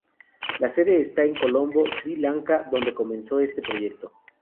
La sede está en Colombo, Sri Lanka, donde comenzó este proyecto.